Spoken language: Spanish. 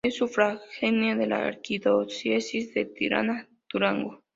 Es sufragánea de la arquidiócesis de Tirana-Durazzo.